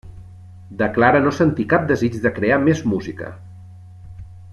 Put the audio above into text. Declara no sentir cap desig de crear més música.